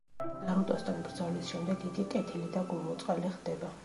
ნარუტოსთან ბრძოლის შემდეგ იგი კეთილი და გულმოწყალე ხდება.